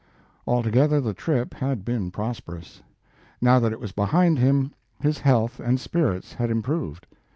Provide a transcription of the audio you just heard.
Altogether, the trip had been prosperous. Now that it was behind him, his health and spirits had improved.